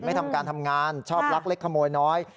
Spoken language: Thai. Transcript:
ไม่ทำการทำงานชอบลักเล็กขโมยน้อย